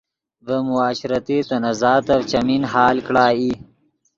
ڤے معاشرتی تنازعاتف چیمین حل کڑا ای